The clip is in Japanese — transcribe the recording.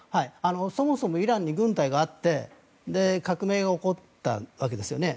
そもそもイランに軍隊があって革命が起こったわけですよね。